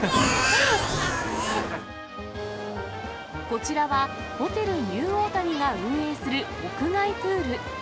こちらは、ホテルニューオータニが運営する屋外プール。